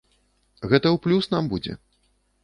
Гэта ў плюс нам будзе.